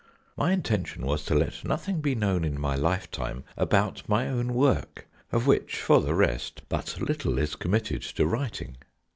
My inten tion was to let nothing be known in my lifetime about my own work, of which, for the rest, but little is com mitted to writing.